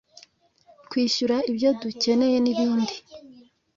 kwishyura ibyo dukeneye n’ibindi